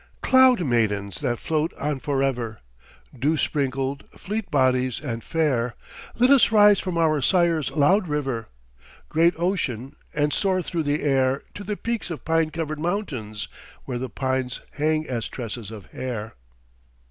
"Cloud Maidens that float on forever, Dew sprinkled, fleet bodies, and fair, Let us rise from our Sire's loud river, Great Ocean, and soar through the air To the peaks of pine covered mountains Where the pines hang as tresses of hair."